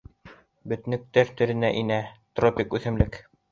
Бөтнөктәр төрөнә инә, тропик үҫемлек.